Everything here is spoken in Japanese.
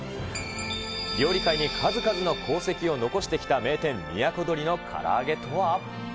料理界に数々の功績を残してきた名店、都鳥のから揚げとは。